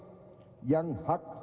dan yang hak hak konstitusinya